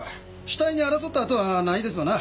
死体に争った痕はないですわな。